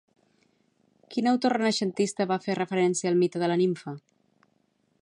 Quin autor renaixentista va fer referència al mite de la nimfa?